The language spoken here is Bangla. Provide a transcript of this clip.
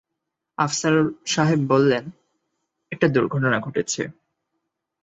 আফসার সাহেব বললেন, একটা দুর্ঘটনা ঘটেছে।